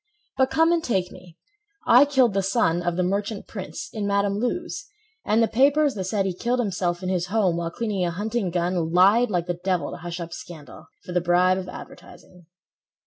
But come and take me, I killed the son Of the merchant prince, in Madam Lou's And the papers that said he killed himself In his home while cleaning a hunting gun— Lied like the devil to hush up scandal For the bribe of advertising.